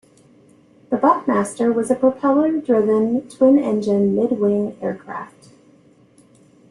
The Buckmaster was a propeller-driven, twin-engine mid-wing aircraft.